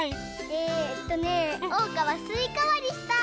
えっとねおうかはすいかわりしたい！